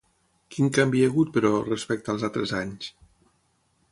Quin canvi hi ha hagut, però, respecte als altres anys?